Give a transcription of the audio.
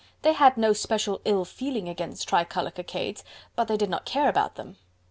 They had no special ill feeling against tricolour cockades, but they did not care about them.